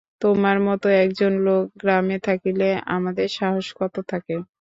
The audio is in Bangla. তোমার মতো একজন লোক গ্রামে থাকিলে আমাদের সাহস কত থাকে।